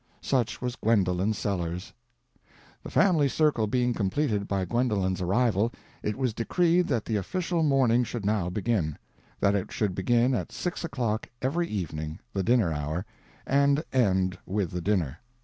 Such was Gwendolen Sellers. The family circle being completed by Gwendolen's arrival, it was decreed that the official mourning should now begin; that it should begin at six o'clock every evening, (the dinner hour,) and end with the dinner.